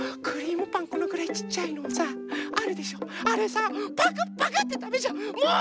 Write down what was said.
このくらいちっちゃいのをさあるでしょあれさパクパクってたべちゃう。